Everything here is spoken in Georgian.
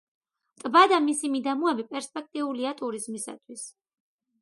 ტბა და მისი მიდამოები პერსპექტიულია ტურიზმისათვის.